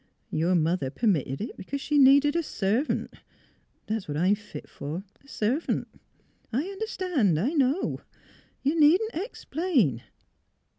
Your mother permitted it, because she needed a servant. .., That is what I am fit for — a servant ! I un derstand — I know. You needn't explain."